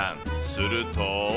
すると。